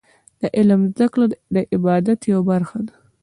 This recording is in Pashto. د علم زده کړه د عبادت یوه برخه ده.